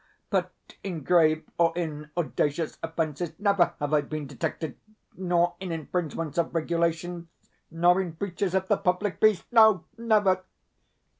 But in grave or in audacious offences never have I been detected, nor in infringements of regulations, nor in breaches of the public peace. No, never!